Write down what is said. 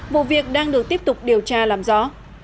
vụ việc đang được tiếp tục điều tra làm rõ